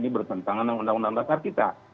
ini bertentangan dengan undang undang dasar kita